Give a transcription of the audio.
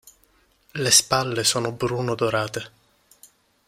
Le spalle sono bruno dorate.